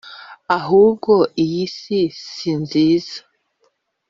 Ahubwo iyi si si nziza!